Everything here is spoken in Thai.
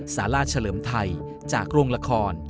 สาราเฉลิมไทยจากโรงละคร